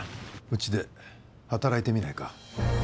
うちで働いてみないか？